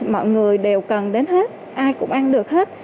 mọi người đều cần đến hết ai cũng ăn được hết